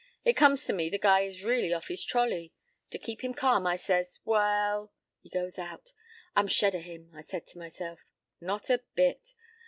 It comes to me the guy is really off his trolley. To keep him calm I says, 'Well—' "He goes out. 'I'm shed o' him,' I says to myself. Not a bit.